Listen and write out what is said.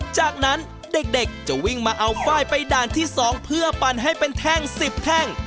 จากนั้นเด็กจะวิ่งมาเอาไฟล์ไปด่านที่๒เพื่อปั่นให้เป็นแท่ง๑๐แท่ง